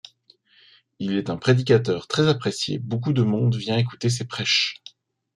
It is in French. Il est un prédicateur très apprécié, beaucoup de monde vient écouter ses prêches.